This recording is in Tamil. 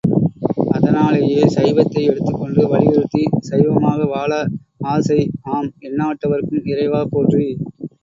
அதனாலேயே சைவத்தை எடுத்துக்கொண்டு வலியுறுத்தி, சைவமாக வாழ ஆசை ஆம் எந்நாட்டவர்க்கும் இறைவா பேற்றி?